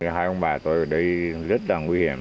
hai ông bà tôi ở đây rất là nguy hiểm